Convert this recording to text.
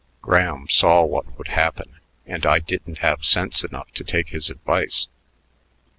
Graham saw what would happen, and I didn't have sense enough to take his advice.